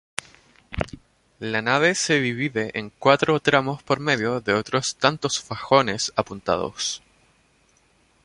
La nave se divide en cuatro tramos por medio de otros tantos fajones apuntados.